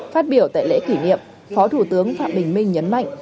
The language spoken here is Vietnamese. phát biểu tại lễ kỷ niệm phó thủ tướng phạm bình minh nhấn mạnh